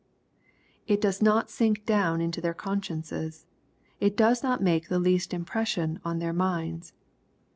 It does not sink down into their consciences. It does not make the least impression on their minds.